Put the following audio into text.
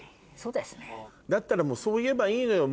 だったらそう言えばいいのよ。